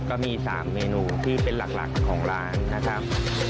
ก็มี๓เมนูที่เป็นหลักของร้านนะครับ